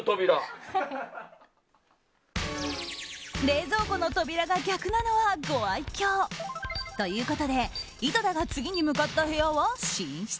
冷蔵庫の扉が逆なのはご愛嬌。ということで井戸田が次に向かった部屋は寝室。